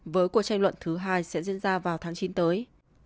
với cuộc tranh luận thứ hai sẽ diễn ra vào tháng chín tới